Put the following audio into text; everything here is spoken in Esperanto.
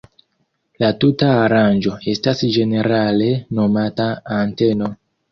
La tuta aranĝo estas ĝenerale nomata anteno.